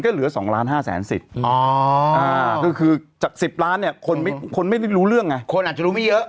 คนอาจจะรู้ไม่เยอะ